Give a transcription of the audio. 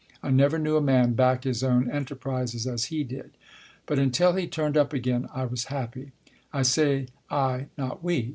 I never knew a man back his own enterprises as he did. But until he turned up again I was happy. I say I, not we.